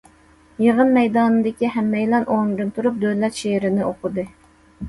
يىغىن مەيدانىدىكى ھەممەيلەن ئورنىدىن تۇرۇپ، دۆلەت شېئىرىنى ئوقۇدى.